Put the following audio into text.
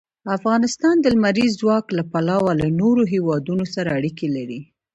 افغانستان د لمریز ځواک له پلوه له نورو هېوادونو سره اړیکې لري.